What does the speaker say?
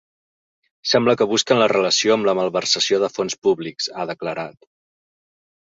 Sembla que busquen la relació amb la malversació de fons públics, ha declarat.